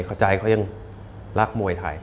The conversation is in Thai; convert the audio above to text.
เข้าใจเขายังรักมวยไทย